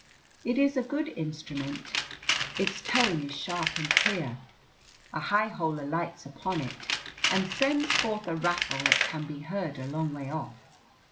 It is a good instrument; its tone is sharp and clear. A high hole alights upon it, and sends forth a rattle that can be heard a long way off.